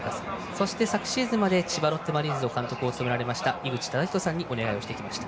そして、昨シーズンまで千葉ロッテマリーンズの監督を務められました井口資仁さんの解説でお伝えしてきました。